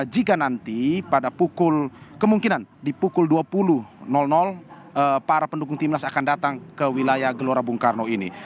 jika nanti pada pukul kemungkinan di pukul dua puluh para pendukung timnas akan datang ke wilayah gelora bung karno ini